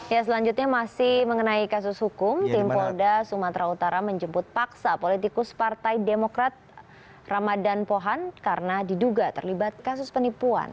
ya selanjutnya masih mengenai kasus hukum tim polda sumatera utara menjemput paksa politikus partai demokrat ramadan pohan karena diduga terlibat kasus penipuan